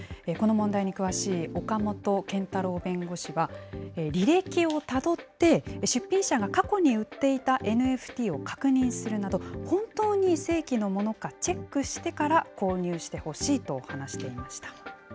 この問題に詳しい岡本健太郎弁護士は、履歴をたどって、出品者が過去に売っていたＮＦＴを確認するなど、本当に正規のものかチェックしてから購入してほしいと話していました。